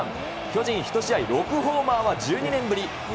巨人、１試合６ホーマーは１２年ぶり。